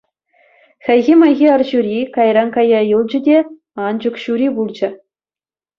Хайхи-майхи арҫури кайран кая юлчӗ те, анчӑк ҫури пулчӗ.